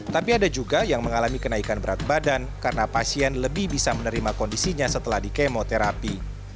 tapi ada juga yang mengalami kenaikan berat badan karena pasien lebih bisa menerima kondisinya setelah di kemoterapi